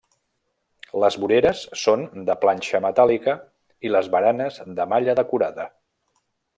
Les voreres són de planxa metàl·lica i les baranes de malla decorada.